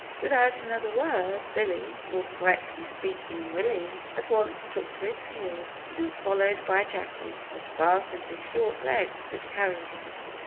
Without another word, Billy, (more correctly speaking, Willie), at once took to his heels, and was followed by Jacky as fast as his short legs could carry him.